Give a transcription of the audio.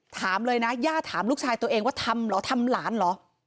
ถามเลยนะย่าถามลูกชายตัวเองว่าทำเหรอทำหลานเหรอ